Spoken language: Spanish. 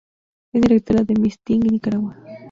Es directora de Miss Teen Nicaragua.